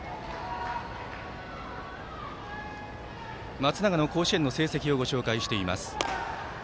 松永の甲子園の成績をご紹介しています。